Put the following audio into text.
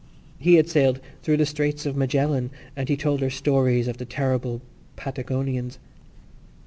He had sailed through the Straits of Magellan and he told her stories of the terrible Patagonians.